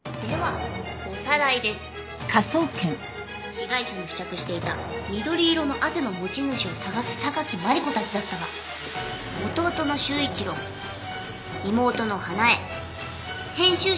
被害者に付着していた緑色の汗の持ち主を捜す榊マリコたちだったが弟の修一郎妹の英恵編集者の水野の汗とは一致せず。